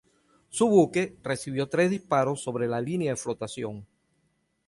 Su buque recibió tres disparos sobre la línea de flotación.